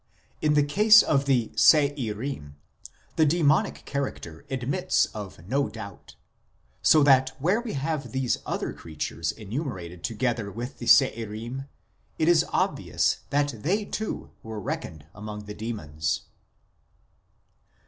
In the case of the Se irim the demonic character admits of no doubt ; so that where we have these other creatures enumerated together with the Se irim, it is obvious that they too were reckoned among the demons.